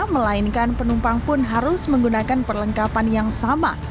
melainkan penumpang pun harus menggunakan perlengkapan yang sama